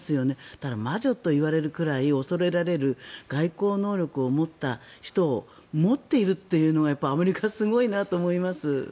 ただ、魔女といわれるくらい恐れられる外交能力を持った人を持っているというのがアメリカはすごいなと思います。